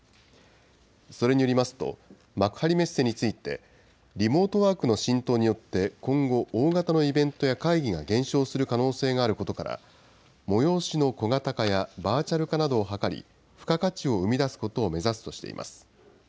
それによりますと、幕張メッセについて、リモートワークの浸透によって今後、大型のイベントや会議が減少する可能性があることから、催しの小型化やバーチャル化などを図り、付加価値を生み出すことを目指すとしています。